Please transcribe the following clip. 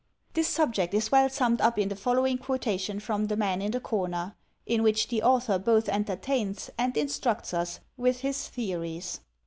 This subject is well summed up in the following quotation from "The Man in the Comer," in which the author both entertains and instructs us with his theories.